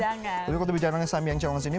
tapi kalau kita bicara sama samyang challenge ini